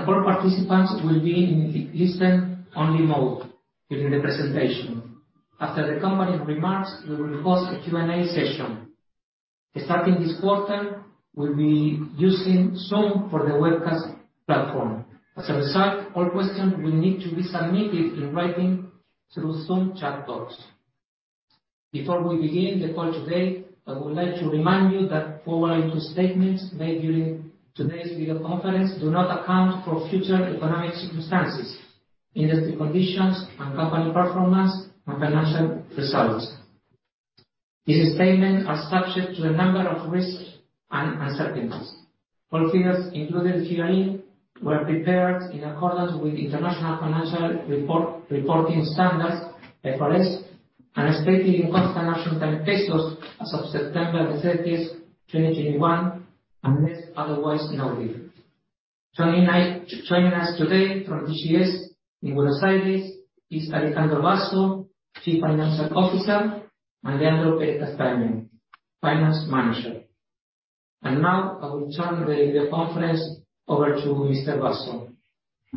All participants will be in listen-only mode during the presentation. After the company remarks, we will host a Q&A session. Starting this quarter, we'll be using Zoom for the webcast platform. As a result, all questions will need to be submitted in writing through Zoom chat box. Before we begin the call today, I would like to remind you that forward-looking statements made during today's video conference do not account for future economic circumstances, industry conditions, and company performance, and financial results. These statements are subject to a number of risks and uncertainties. All figures, including GE, were prepared in accordance with International Financial Reporting Standards, IFRS, and are stated in constant nominal Argentine pesos as of September 30th, 2021, unless otherwise noted. Joining us today from TGS in Buenos Aires is Alejandro Basso, Chief Financial Officer, and Leandro Pérez Castaño, Finance Manager. Now, I will turn the video conference over to Mr. Basso.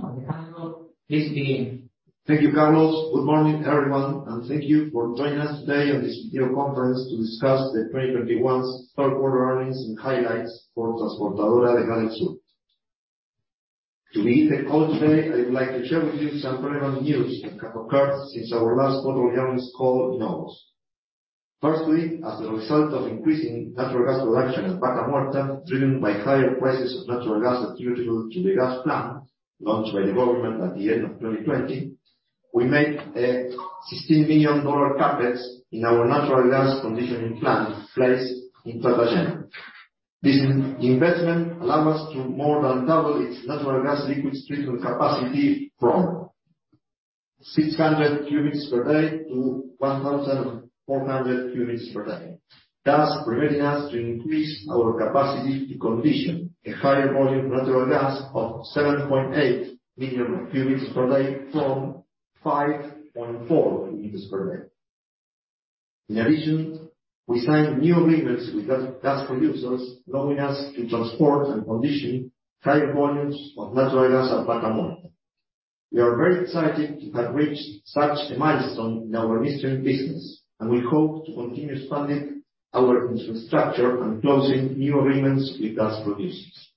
Alejandro, please begin. Thank you, Carlos. Good morning, everyone, and thank you for joining us today on this video conference to discuss the 2021's third quarter earnings and highlights for Transportadora de Gas del Sur. To begin the call today, I would like to share with you some relevant news that have occurred since our last quarterly earnings call in August. Firstly, as a result of increasing natural gas production at Vaca Muerta, driven by higher prices of natural gas attributable to the Plan Gas launched by the government at the end of 2020, we made a $16 million CapEx in our natural gas conditioning plant placed in Tratayén. This investment allow us to more than double its natural gas liquids treatment capacity from 600 cubic meters per day to 1,400 cubic meters per day, thus permitting us to increase our capacity to condition a higher volume of natural gas of 7.8 million cubic meters per day from 5.4 million cubic meters per day. In addition, we signed new agreements with gas producers, allowing us to transport and condition higher volumes of natural gas at Vaca Muerta. We are very excited to have reached such a milestone in our history and business, and we hope to continue expanding our infrastructure and closing new agreements with gas producers.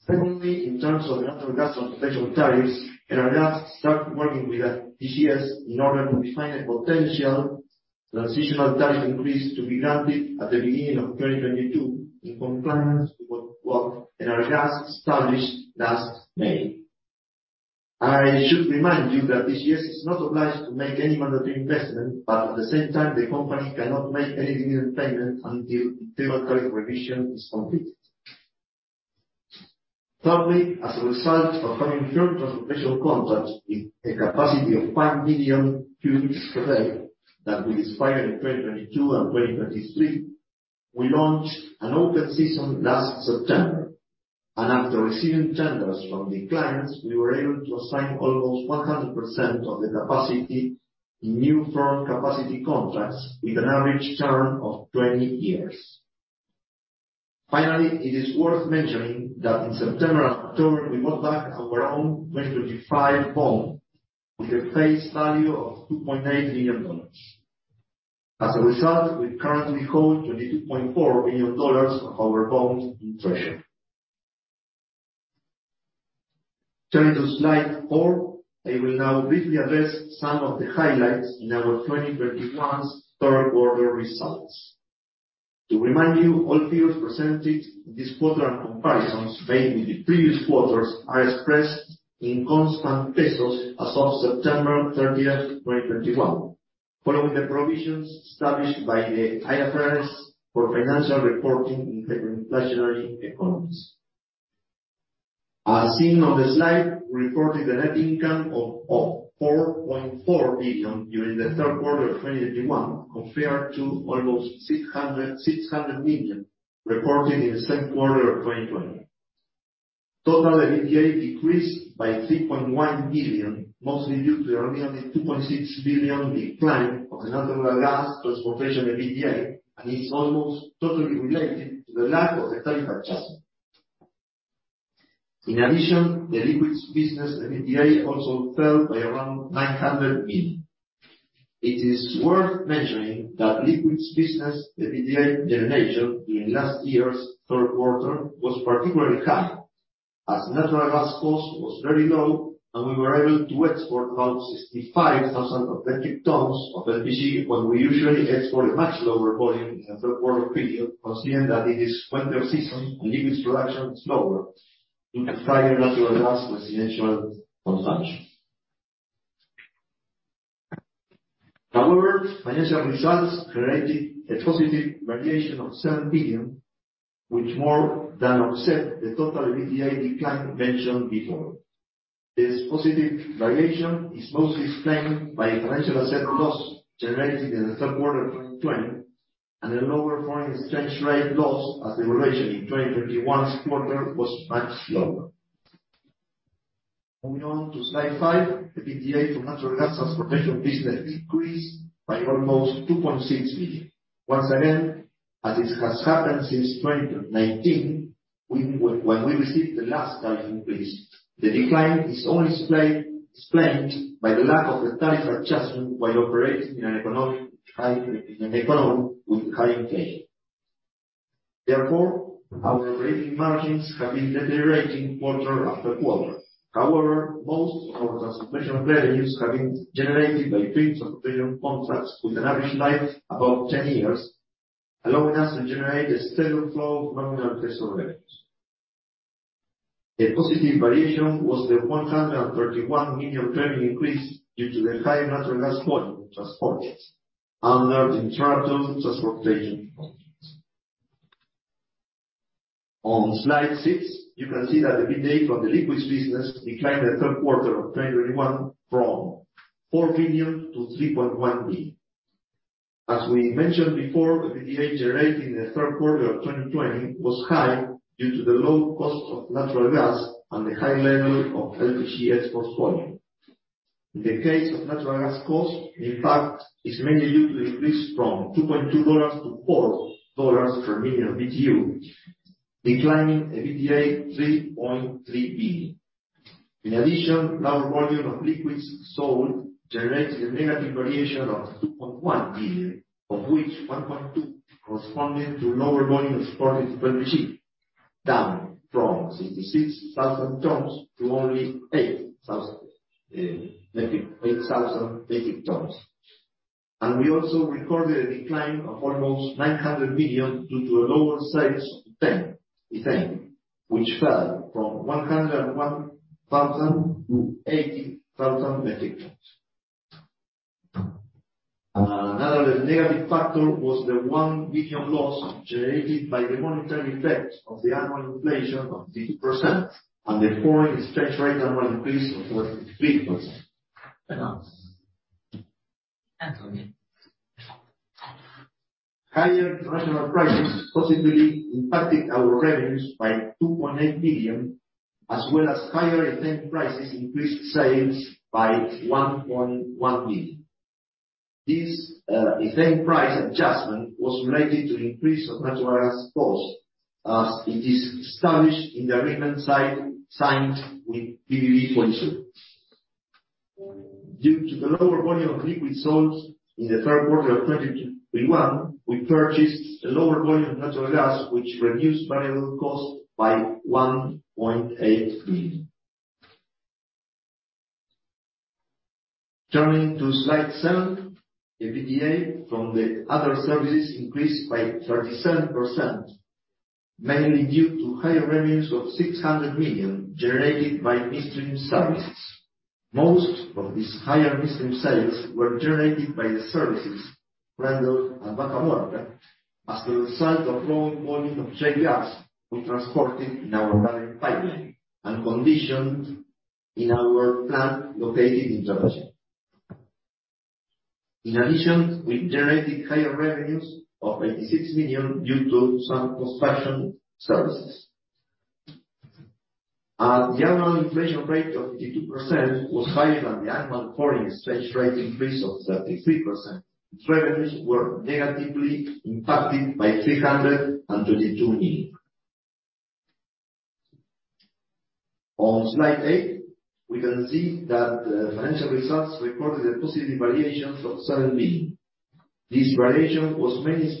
Secondly, in terms of natural gas transportation tariffs, ENARGAS start working with TGS in order to define a potential transitional tariff increase to be granted at the beginning of 2022, in compliance with what ENARGAS established last May. I should remind you that TGS is not obliged to make any mandatory investment, but at the same time, the company cannot make any dividend payment until tariff revision is completed. Thirdly, as a result of having firm transportation contracts with a capacity of 5 million cubic meters per day that will expire in 2022 and 2023, we launched an open season last September. After receiving tenders from the clients, we were able to assign almost 100% of the capacity in new firm capacity contracts with an average term of 20 years. Finally, it is worth mentioning that in September and October, we bought back our own 2025 bond with a face value of $2.8 million. As a result, we currently hold $22.4 million of our bonds in treasury. Turning to slide four, I will now briefly address some of the highlights in our 2021 third quarter results. To remind you, all figures presented this quarter and comparisons made with the previous quarters are expressed in constant pesos as of September 30th, 2021, following the provisions established by the IFRS for financial reporting in hyperinflationary economies. As seen on the slide, we reported a net income of 4.4 billion during the third quarter of 2021, compared to almost 600 million reported in the same quarter of 2020. Total EBITDA decreased by 3.1 billion, mostly due to a nearly 2.6 billion decline of the natural gas transportation EBITDA, and it's almost totally related to the lack of a tariff adjustment. In addition, the liquids business EBITDA also fell by around 900 million. It is worth mentioning that liquids business EBITDA generation during last year's third quarter was particularly high, as natural gas cost was very low and we were able to export about 65,000 metric tons of LPG, when we usually export a much lower volume in the third quarter period, considering that it is winter season and liquids production is lower due to higher natural gas residential consumption. However, financial results generated a positive variation of 7 billion, which more than offset the total EBITDA decline mentioned before. This positive variation is mostly explained by financial asset loss generated in the third quarter of 2020, and a lower foreign exchange rate loss as the valuation in 2021's quarter was much lower. Moving on to slide five. The EBITDA from natural gas transportation business decreased by almost 2.6 billion. Once again, as it has happened since 2019, when we received the last tariff increase. The decline is only explained by the lack of a tariff adjustment while operating in an economy with high inflation. Therefore, our operating margins have been deteriorating quarter after quarter. However, most of our transportation revenues have been generated by take-or-pay contracts with an average life above 10 years, allowing us to generate a steady flow of nominal cash flow revenues. A positive variation was the 131 million revenue increase due to the higher natural gas volume transported under interruptible transportation contracts. On slide six, you can see that the EBITDA from the liquids business declined in the third quarter of 2021 from 4 billion to 3.1 billion. As we mentioned before, the EBITDA generated in the third quarter of 2020 was high due to the low cost of natural gas and the high level of LPG export volume. In the case of natural gas cost, the impact is mainly due to the increase from $2.2 to $4 per million BTU, declining EBITDA 3.3 billion. In addition, lower volume of liquids sold generates a negative variation of 2.1 billion, of which 1.2 corresponded to lower volume of exported LPG, down from 66,000 tons to only 8,000 metric tons. We also recorded a decline of almost 900 million due to lower sales of ethane, which fell from 101,000 to 80,000 metric tons. Another negative factor was the 1 billion loss generated by the monetary effects of the annual inflation of 50% and the foreign exchange rate annual increase of 23%. Higher international prices positively impacted our revenues by 2.8 billion, as well as higher ethane prices increased sales by 1.1 billion. This ethane price adjustment was related to increase of natural gas cost as it is established in the agreement signed with PBB Polisur. Due to the lower volume of liquids sold in the third quarter of 2021, we purchased a lower volume of natural gas, which reduced variable cost by 1.8 billion. Turning to slide seven, EBITDA from the other services increased by 37%, mainly due to higher revenues of 600 million generated by midstream services. Most of these higher midstream sales were generated by the services rendered at Vaca Muerta as the result of lower volume of treated gas we transported in our Vaca Muerta pipeline and conditioned in our plant located in Tratayén. In addition, we generated higher revenues of 86 million due to some construction services. As the annual inflation rate of 52% was higher than the annual foreign exchange rate increase of 33%, its revenues were negatively impacted by ARS 332 million. On slide eight, we can see that the financial results recorded a positive variation of 7 billion. This variation was mainly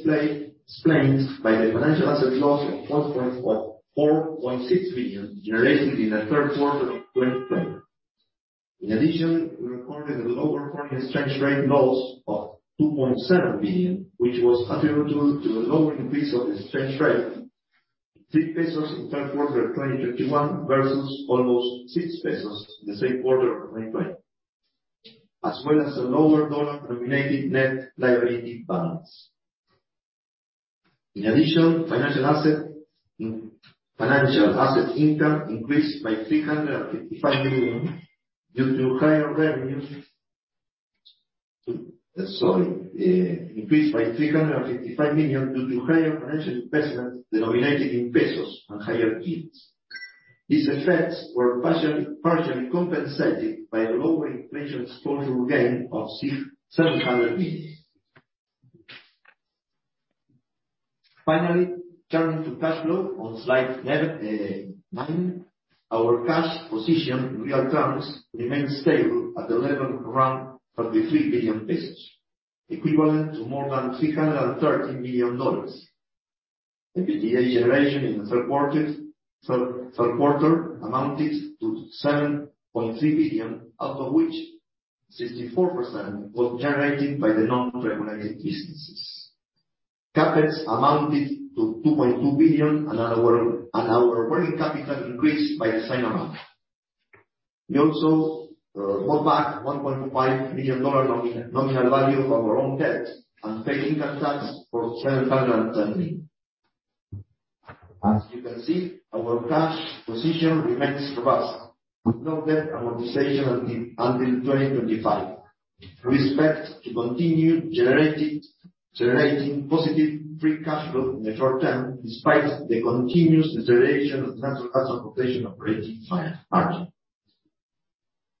explained by the financial asset loss of 4.6 billion generated in the third quarter of 2020. In addition, we recorded a lower foreign exchange rate loss of 2.7 billion, which was attributable to the lower increase of exchange rate of 3 pesos in third quarter of 2021 versus almost 6 pesos in the same quarter of 2020, as well as a lower dollar-denominated net liability balance. In addition, financial asset income increased by 355 million due to higher revenues. Increased by 355 million due to higher financial investments denominated in pesos and higher yields. These effects were partially compensated by a lower inflation exposure gain of 700 million. Finally, turning to cash flow on slide nine. Our cash position in real terms remains stable at around 33 billion pesos, equivalent to more than $33 million. EBITDA generation in the third quarter amounted to 7.3 billion, out of which 64% was generated by the non-regulated businesses. CapEx amounted to 2.2 billion and our working capital increased by the same amount. We also bought back $1.5 million nominal value of our own debt and paid income tax for 710 million. As you can see, our cash position remains robust with no debt amortization until 2025. We expect to continue generating positive free cash flow in the short term, despite the continuous deterioration of the natural gas transportation operating environment.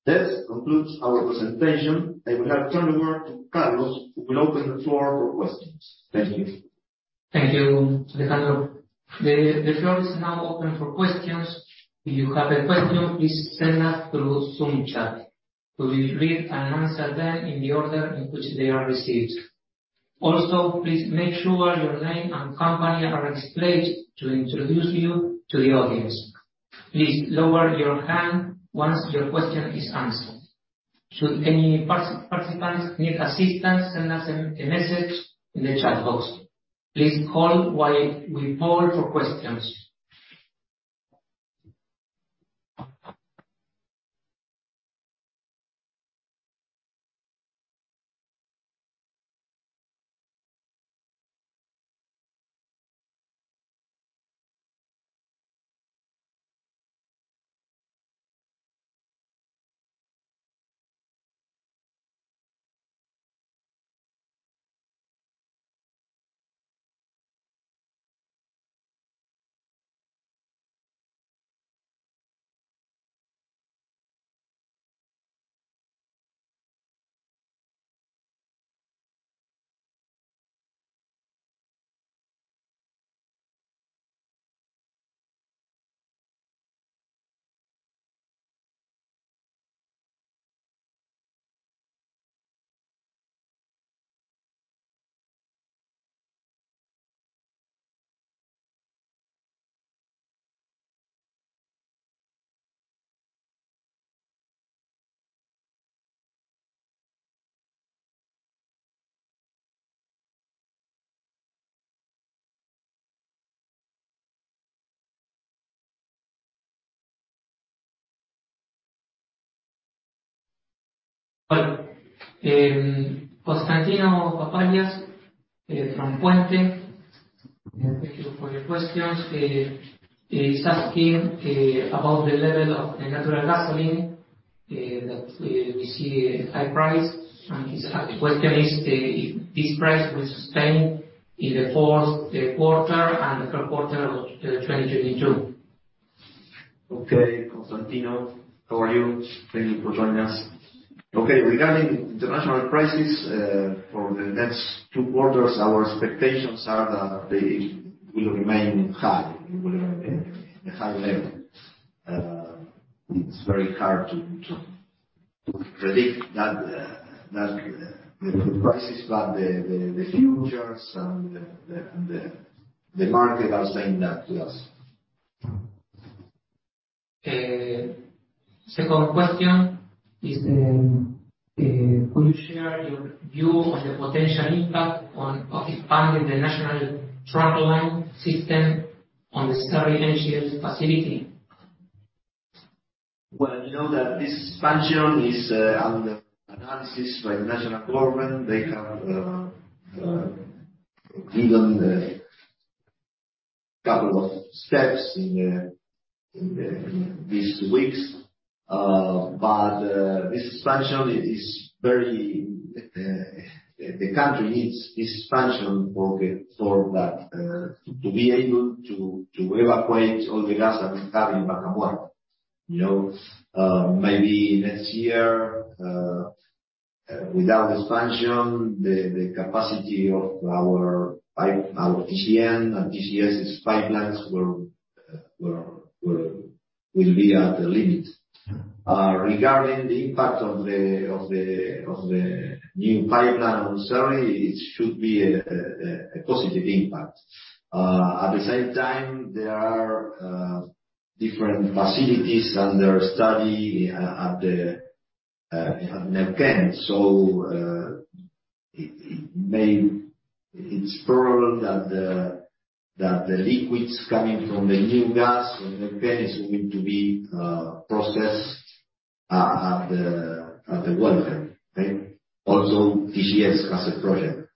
This concludes our presentation. I will now turn over to Carlos, who will open the floor for questions. Thank you. Thank you, Alejandro. The floor is now open for questions. If you have a question, please send that through Zoom chat. We will read and answer them in the order in which they are received. Also, please make sure your name and company are explained to introduce you to the audience. Please lower your hand once your question is answered. Should any participants need assistance, send us a message in the chat box. Please hold while we poll for questions. Hi. Konstantinos Papaliadis from Puente. Thank you for your questions. He's asking about the level of the natural gasoline that we see a high price. His question is if this price will sustain in the fourth quarter and the third quarter of 2022. Okay, Konstantinos. How are you? Thank you for joining us. Okay, regarding the natural gas prices for the next two quarters, our expectations are that they will remain high. They will remain at a high level. It's very hard to predict that the prices, but the futures and the market are saying that to us. Second question is, will you share your view on the potential impact on expanding the national truck line system on the Cerri NGLs facility? Well, you know that this expansion is under analysis by the national government. They have given a couple of steps in these weeks. The country needs this expansion for that to be able to evacuate all the gas that we have in Vaca Muerta. You know, maybe next year without expansion, the capacity of our pipe, our TGN and TGS' pipelines will be at the limit. Regarding the impact of the new pipeline on Cerri, it should be a positive impact. At the same time, there are different facilities under study at Neuquén. It may... It's probable that the liquids coming from the new gas in Neuquén is going to be processed at the wellhead, right? Also, TGS has a project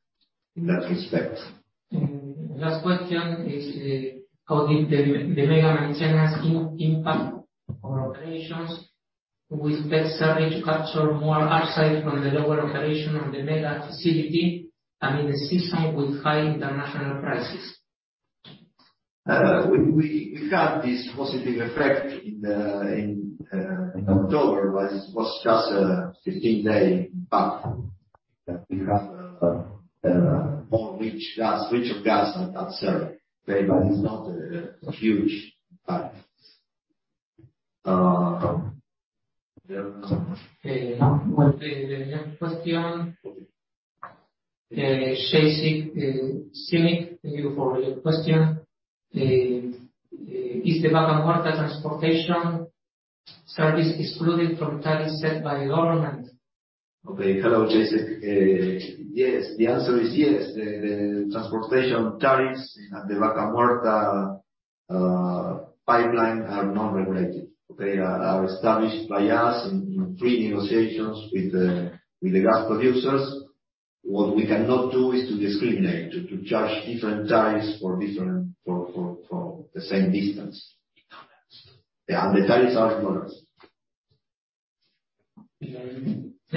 in that respect. Last question is, how did the mega mantenas impact on operations with best efforts to capture more upside from the lower operation on the mega facility and in the system with high international prices? We had this positive effect in October, but it was just a 15-day impact. We have more rich gas, richer gas at that survey. It's not a huge impact. Yeah. The next question, Chasez, Simik, thank you for your question. Is the Vaca Muerta transportation service excluded from tariffs set by the government? Hello, Chasez. Yes. The answer is yes. The transportation tariffs at the Vaca Muerta pipeline are non-regulated. They are established by us in free negotiations with the gas producers. What we cannot do is to discriminate, to charge different tariffs for the same distance. Yeah, the tariffs are lower.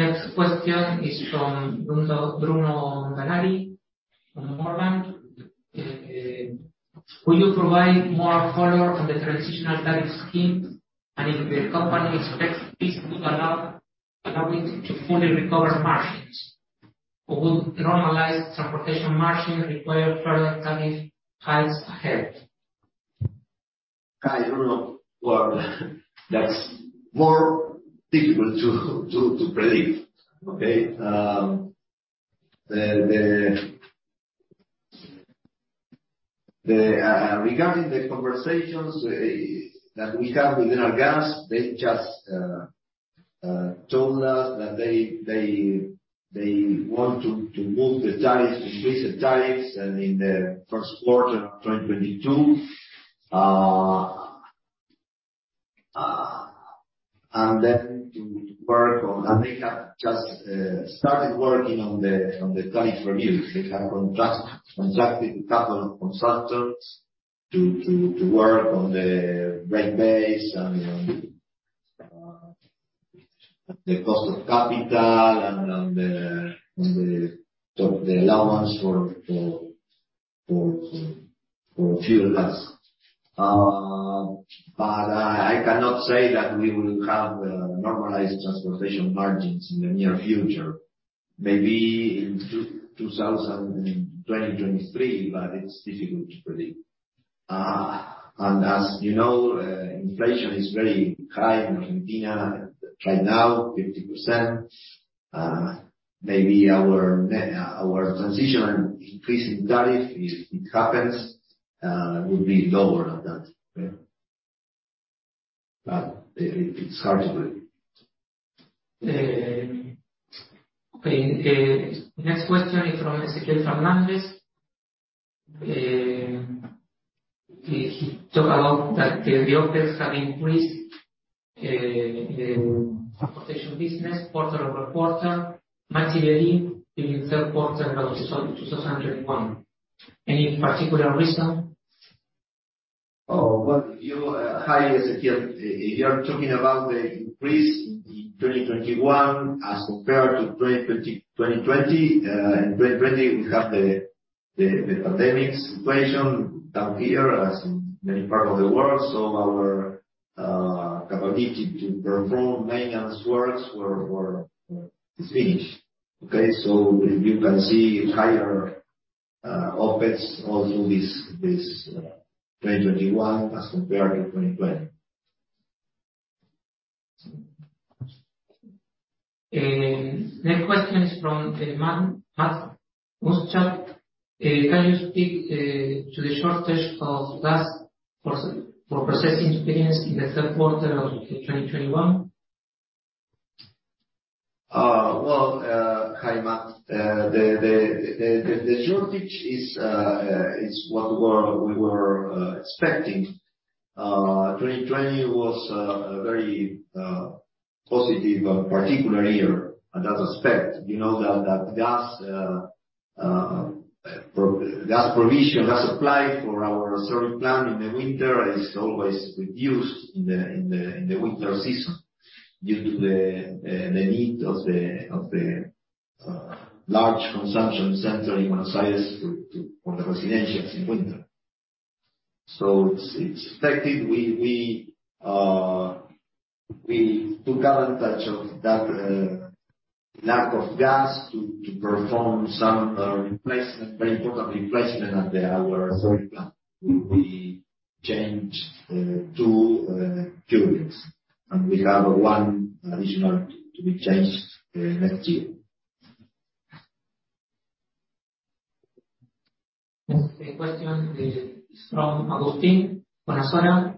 Next question is from Bruno Montanari from Morgan Stanley. Will you provide more color on the transitional tariff scheme, and if the company expects this to allow it to fully recover margins? Or will normalized transportation margins require further tariff hikes ahead? I don't know whether that's more difficult to predict. Okay. Regarding the conversations that we have with ENARGAS, they just told us that they want to move the tariffs, increase the tariffs, and in the first quarter of 2022. They have just started working on the tariff review. They have contracted a couple of consultants to work on the rate base and the cost of capital and the allowance for fuel gas. I cannot say that we will have the normalized transportation margins in the near future. Maybe in 2023, but it's difficult to predict. As you know, inflation is very high in Argentina right now, 50%. Maybe our transitional increase in tariff, if it happens, will be lower than that. Yeah. It's hard to predict. Okay. Next question is from Ezequiel Fernandez Lopez. He talk about that the OpEx have increased transportation business quarter-over-quarter materially in third quarter of 2021. Any particular reason? Well, Hi, E zequiel. If you're talking about the increase in 2021 as compared to 2020. In 2020 we have the pandemic situation down here as in many parts of the world. Our capability to perform maintenance works were diminished. Okay? You can see higher OpEx all through this 2021 as compared to 2020. Next question is from Matt Muschamp. Can you speak to the shortage of gas for processing experienced in the third quarter of 2021? Well, hi, Matt. The shortage is what we were expecting. 2020 was a very positive particular year in that aspect. We know that gas supply for our serving plant in the winter is always reduced in the winter season due to the need of the large consumption center in Buenos Aires for the residents in winter. It's expected. We took advantage of that lack of gas to perform some very important replacement at our serving plant. We changed two turbines, and we have one additional to be changed next year. Next, question is from Agustín Pacheco.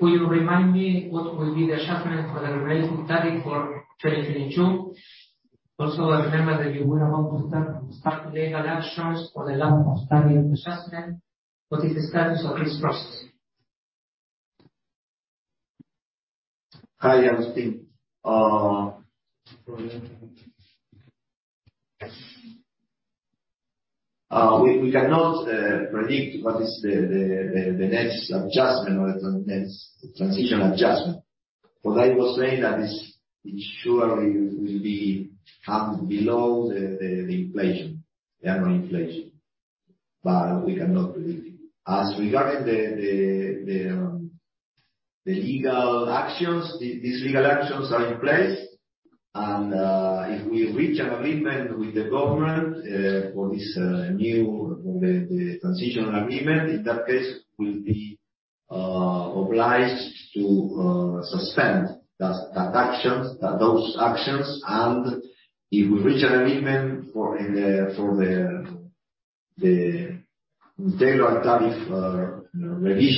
Will you remind me what will be the adjustment for the regulatory tariff for 2022? Also, I remember that you were about to start legal actions for the lack of tariff adjustment. What is the status of this process? Hi, Agustín. We cannot predict what is the next adjustment or the next transition adjustment. For that, it was said that it surely will become below the inflation, the annual inflation, but we cannot predict it. As regarding the legal actions, these legal actions are in place and if we reach an agreement with the government for this new for the transition agreement, in that case we'll be obliged to suspend those actions. If we reach an agreement for the regulatory tariff revision